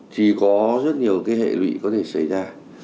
thì có rất nhiều cái hệ lụy có thể xảy ra